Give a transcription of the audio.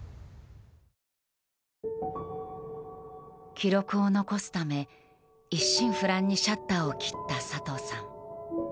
記録を残すため一心不乱にシャッターを切った佐藤さん。